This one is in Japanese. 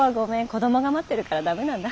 子供が待ってるから駄目なんだ。